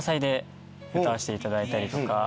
歌わせていただいたりとか。